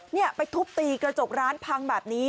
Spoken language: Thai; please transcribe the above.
เนี่ยไปทุบตีกระจกร้านพังแบบนี้